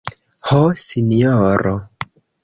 Ho, Sinjoro!